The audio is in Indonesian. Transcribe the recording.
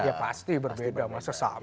ya pasti berbeda masa sama